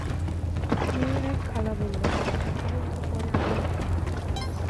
মেয়ের এক খালা বললেন, আপনারা একটু পরে আবার আসুন।